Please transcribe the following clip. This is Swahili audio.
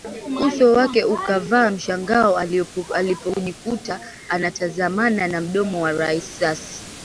Uso wake ukavaa mshangao alipojikuta anatazamana na mdomo wa risasi